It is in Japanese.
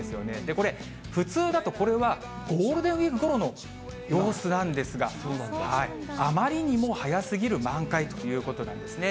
これ、普通だとこれはゴールデンウィークごろの様子なんですが、あまりにも早すぎる満開ということなんですね。